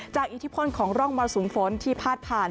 อิทธิพลของร่องมรสุมฝนที่พาดผ่าน